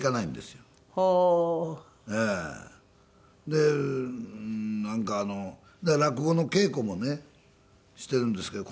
でなんかあのだから落語の稽古もねしているんですけど。